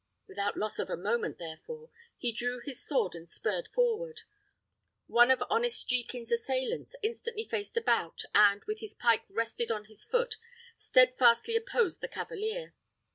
Without loss of a moment, therefore, he drew his sword and spurred forward. One of honest Jekin's assailants instantly faced about, and, with his pike rested on his foot, steadfastly opposed the cavalier.